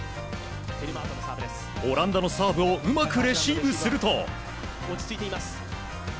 オランダのサーブをうまくレシーブすると。